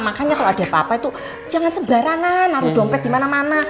makanya kalo ada apa apa itu jangan sembarangan naruh dompet dimana mana